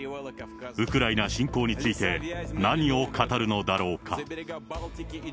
ウクライナ侵攻について、何を語るのだろうか。